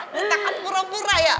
ditangkap pura pura ya